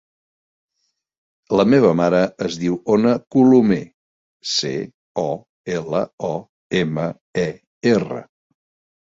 La meva mare es diu Ona Colomer: ce, o, ela, o, ema, e, erra.